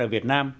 ở việt nam